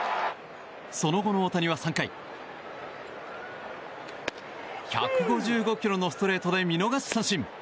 その後の大谷は３回１５５キロのストレートで見逃し三振！